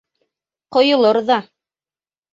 Ҡойолор ҙа!